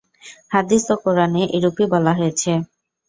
হাদীস ও কুরআনে এরূপই বলা হয়েছে।